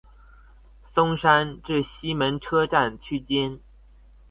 松山至西門車站區間